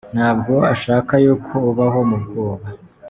Nta bwo ashaka yuko ubaho mu bwoba.